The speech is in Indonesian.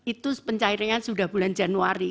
itu pencairannya sudah bulan januari